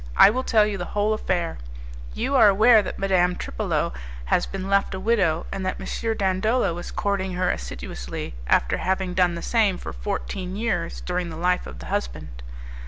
I will tell you the whole affair. You are aware that Madame Tripolo has been left a widow, and that M. Dandolo is courting her assiduously, after having done the same for fourteen years during the life of the husband.